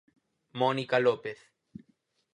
Mónica López.